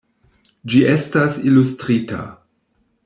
Ĝi estas ilustrita.